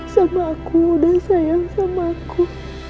sama aku udah sayang sama aku